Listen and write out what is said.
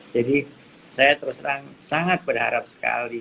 jadi saya terus sangat berharap sekali